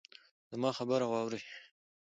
زما خبره واورئ